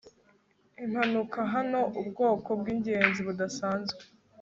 Impanuka Hano ubwoko bwingenzi budasanzwe